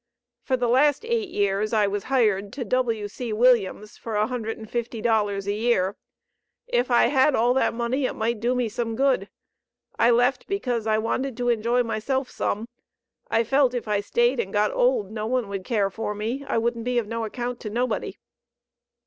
For the last eight years I was hired to W.C. Williams, for $150 a year if I had all that money, it might do me some good. I left because I wanted to enjoy myself some. I felt if I staid and got old no one would care for me, I wouldn't be of no account to nobody."